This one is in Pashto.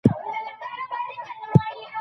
آیا فلسفه یوازې په کلیسا کي تدریس کیده؟